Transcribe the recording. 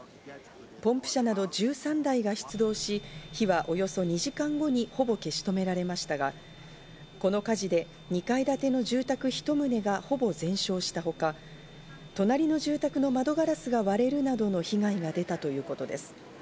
ポンプ車など１３台が出動し、火はおよそ２時間後にほぼ消しとめられましたが、この火事で２階建ての住宅一棟がほぼ全焼したほか、隣の住宅の窓ガラスが割れるなどの被害が出たということです。